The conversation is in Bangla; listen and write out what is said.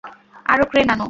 আরো ক্রেন আনো।